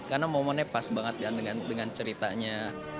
karena momennya pas banget dengan ceritanya